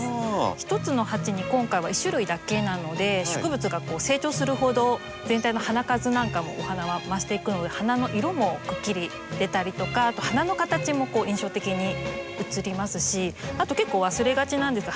１つの鉢に今回は１種類だけなので植物が成長するほど全体の花数なんかもお花は増していくので花の色もくっきり出たりとかあと花の形も印象的に映りますしあと結構忘れがちなんですけど